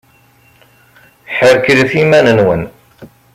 Ḥreklet iman-nwen!